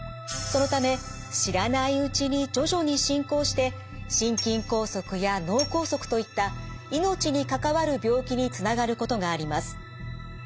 そのため知らないうちに徐々に進行して心筋梗塞や脳梗塞といった命に関わる病気につながることがあります。